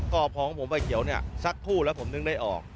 ก็พองผมใบเขียวเนี่ยสักคู่แล้วผมนึกได้ออก